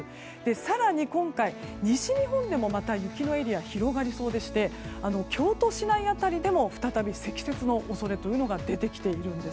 更に今回、西日本でも雪のエリア広がりそうでして京都市内辺りでも再び積雪の恐れが出てきているんです。